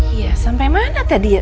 iya sampai mana tadi ya